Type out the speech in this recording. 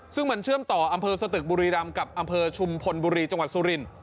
ซึ่งมันเชื่อมต่ออำเภอสตึกบุรีรำกับอำเภอชุมพลบุรีจังหวัดสุริน